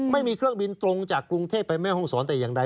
ไม่มีเครื่องบินตรงจากกรุงเทพไปแม่ห้องศรแต่อย่างใด